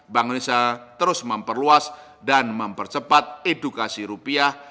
bank indonesia terus memperluas dan mempercepat edukasi rupiah